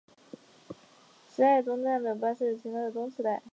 池袋站东口的巴士站请参照东池袋。